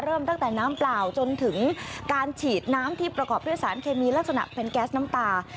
เริ่มตั้งแต่น้ำเปล่าจนถึงการฉีดน้ำที่ประกอบด้วยสารเคมีลักษณะเป็นแก๊สน้ำตา